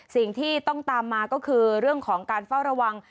สิ่งที่ต้องตามมาก็คือเรื่องของการเฝ้าระวัง